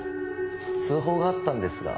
通報があったんですが。